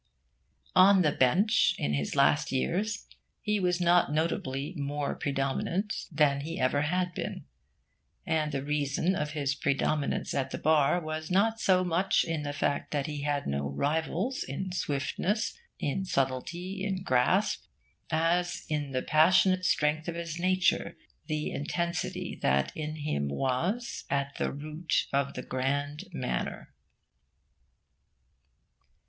On the bench, in his last years, he was not notably more predominant than he ever had been. And the reason of his predominance at the Bar was not so much in the fact that he had no rival in swiftness, in subtlety, in grasp, as in the passionate strength of his nature, the intensity that in him was at the root of the grand manner.